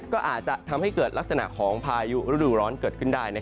ก็อาจจะทำให้เกิดลักษณะของพายุฤดูร้อนเกิดขึ้นได้